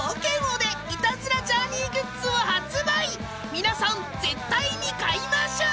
［皆さん絶対に買いましょう］